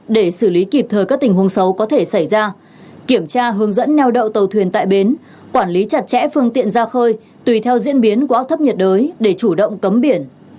để xử lý kịp thời các tình huống xấu có thể xảy ra kiểm tra hướng dẫn neo đậu tàu thuyền tại bến quản lý chặt chẽ phương tiện ra khơi tùy theo diễn biến của áp thấp nhiệt đới để chủ động cấm biển